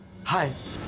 はい！